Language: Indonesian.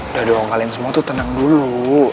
udah dong kalian semua tuh tenang dulu